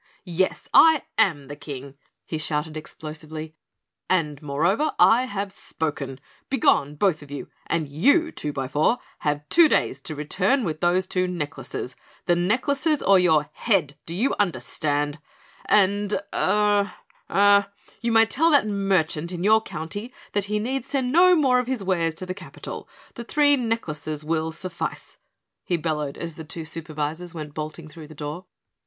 "Yes, I am the King," he shouted explosively, "and moreover I have spoken. Begone, both of you, and YOU, Twobyfour, have two days to return with those two necklaces. The necklaces or your HEAD, do you understand? And er er you may tell that merchant in your county that he need send no more of his wares to the capital, the three necklaces will suffice," he bellowed as the two Supervisors went bolting through the door.